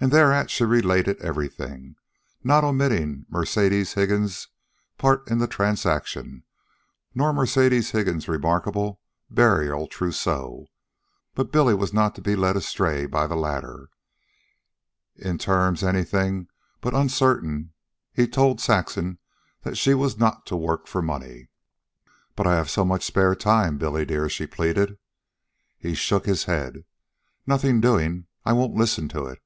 And thereat she related everything, not omitting Mercedes Higgins' part in the transaction, nor Mercedes Higgins' remarkable burial trousseau. But Billy was not to be led aside by the latter. In terms anything but uncertain he told Saxon that she was not to work for money. "But I have so much spare time, Billy, dear," she pleaded. He shook his head. "Nothing doing. I won't listen to it.